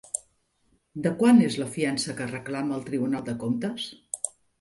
De quant és la fiança que reclama el Tribunal de Comptes?